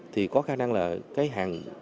thì có khả năng là cái hàng